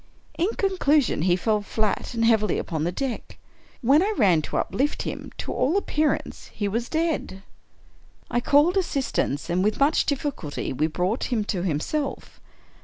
In conclusion, he fell flat and heavily upon the deck. When I ran to uplift him, to all appearance he was dead. I called assistance, and, with much difficulty, we brought him to himself.